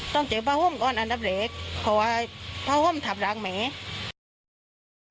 ต้องเจอบ้านห้องก่อนอันดับเหลกเพราะว่าบ้านห้องทำร้างแม่